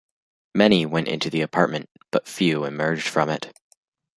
Many went into the apartment, but few emerged from it.